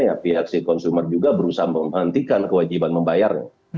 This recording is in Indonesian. ya pihak si konsumer juga berusaha menghentikan kewajiban membayarnya